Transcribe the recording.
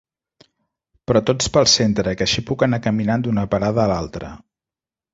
Però tots pel centre, que així puc anar caminant d'una parada a l'altra.